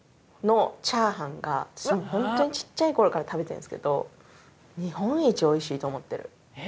ホントにちっちゃい頃から食べてるんですけど日本一美味しいと思ってる。